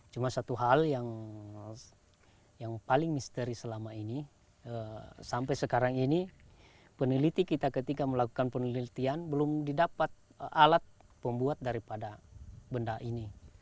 cuma satu hal yang paling misteri selama ini sampai sekarang ini peneliti kita ketika melakukan penelitian belum didapat alat pembuat daripada benda ini